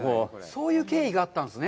そういう経緯があったんですね。